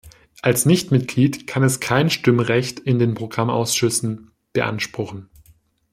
Als Nichtmitglied kann es kein Stimmrecht in den Programmausschüssen beanspruchen.